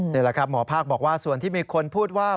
นี่แหละครับหมอภาคบอกว่าส่วนที่มีคนพูดว่า